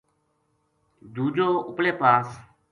دُوجو اُپلے پاس